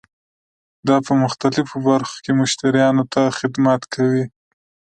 دا په مختلفو برخو کې مشتریانو ته خدمت کوي.